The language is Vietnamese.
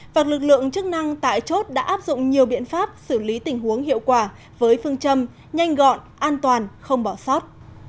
và lực lượng chức năng tại chốt đã áp dụng nhiều biện pháp xử lý tình huống hiệu quả với phương châm nhanh gọn an toàn không bỏ sót